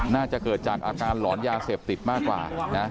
น่าจะเกิดจากอาการหลอนยาเสพติดมากกว่านะ